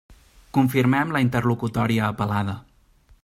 Confirmem la interlocutòria apel·lada.